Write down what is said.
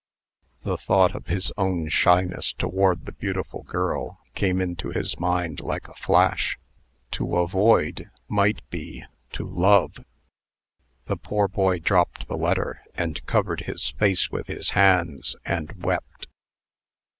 The thought of his own shyness toward the beautiful girl came into his mind like a flash. To avoid might be to love. The poor boy dropped the letter, and covered his face with his hands, and wept.